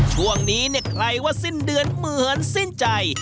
ช่วงนี้เนี่ยใครว่าสิ้นเดือนเหมือนสิ้นใจ